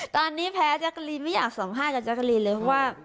ตอนนี้แพ้จ๊ะกะลีนไม่อยากสัมภาษณ์กับจ๊ะกะลีนเลย